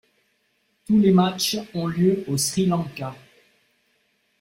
Tous les matchs ont lieu au Sri Lanka.